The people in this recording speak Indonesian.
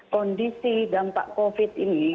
kondisi dampak covid ini